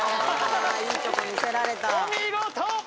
お見事！